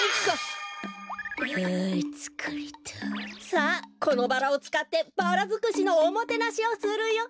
さあこのバラをつかってバラづくしのおもてなしをするよ。